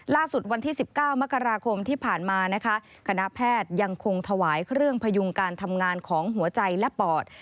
ล่าสุดวันที่๑๙มกราคมที่ผ่านมานะคะคณะแพทย์ยังคงถวายเครื่องพยุงการทำงานของหัวใจและปอด